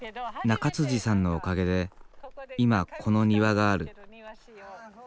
中さんのおかげで今この庭がある。